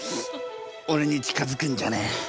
俺に近づくんじゃねえ。